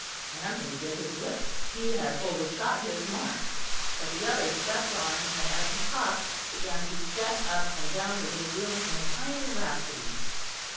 Anthony bit his lip; he had overshot his mark. But the other swept on; and as he talked began to step up and down the little room, in a kind of rhapsody.